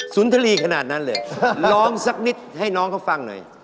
นทรีย์ขนาดนั้นเลยร้องสักนิดให้น้องเขาฟังหน่อย